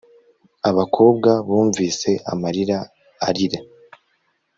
Abakobwa bumvise amarira arira